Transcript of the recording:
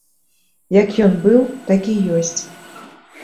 Як ён быў, так і ёсць.